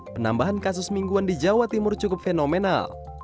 penambahan kasus mingguan di jawa timur cukup fenomenal